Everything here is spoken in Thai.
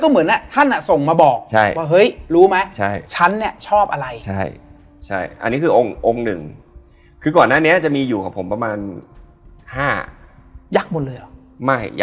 ก็แก๊งผู้จัดการเราเด็กในสังกัด